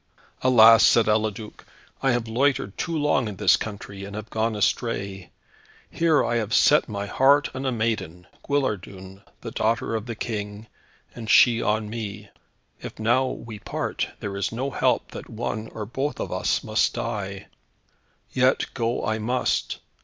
"Alas," said Eliduc, "I have loitered too long in this country, and have gone astray. Here I have set my heart on a maiden, Guillardun, the daughter of the King, and she, on me. If, now, we part, there is no help that one, or both, of us, must die. Yet go I must.